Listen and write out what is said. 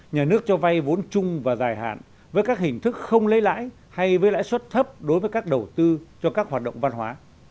nhà nước cho vay vốn chung và dài hạn với các hình thức không lấy lãi hay với lãi suất thấp đối với các đầu tư cho các hoạt động văn hóa